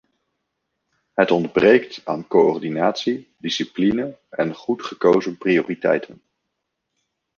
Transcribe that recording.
Het ontbreekt aan coördinatie, discipline en goed gekozen prioriteiten.